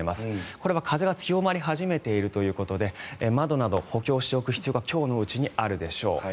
これは風が強まり始めているということで窓など補強しておく必要が今日のうちにあるでしょう。